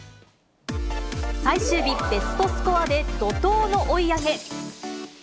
最終日、ベストスコアで怒とうの追い上げ。